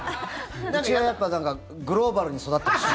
うちはやっぱグローバルに育ってほしい。